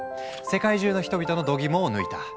世界中の人々のどぎもを抜いた。